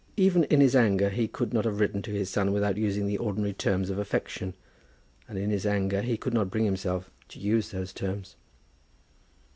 Even in his anger he could not have written to his son without using the ordinary terms of affection, and in his anger he could not bring himself to use those terms.